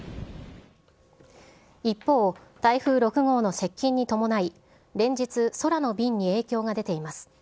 一方、台風６号の接近に伴い、連日、空の便に影響が出ています。